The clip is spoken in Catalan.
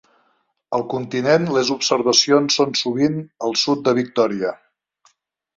Al continent, les observacions són sovint al sud de Victòria.